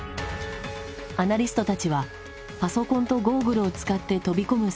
アナリストたちはパソコンとゴーグルを使って飛び込む